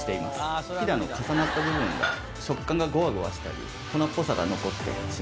ひだの重なった部分が食感がごわごわしたり粉っぽさが残ってしまうので。